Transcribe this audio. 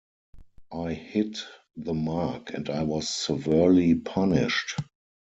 I hit the mark and I was severely punished.